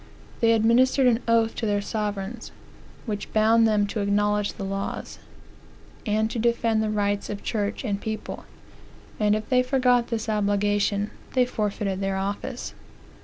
They administered an oath to their sovereigns, which bound them to aeknowledge the laws, and to defend the rights of the church and people; and if they forgot this obligation, they forfeited their office.